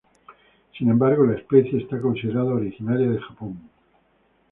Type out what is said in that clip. Sin embargo, la especie es considerada originaria de Japón.